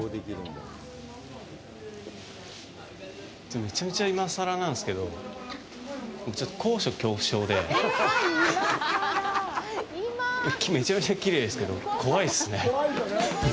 めちゃめちゃ今さらなんですけどちょっと高所恐怖症でめちゃめちゃきれいですけど怖いですね。